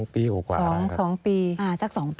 ๒ปีกว่า